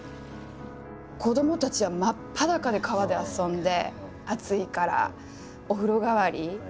子どもたちは真っ裸で川で遊んで暑いからお風呂代わり。